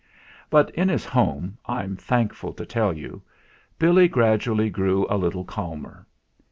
But in his home, I'm thankful to tell you, Billy gradually grew a little calmer.